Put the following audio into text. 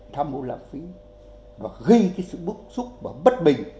tham mô lãng phí và gây cái sự bức xúc và bất bình